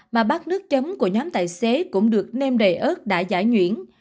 mà bát nước chấm của nhóm tài xế cũng được nêm đầy ớt đã giải nhuyễn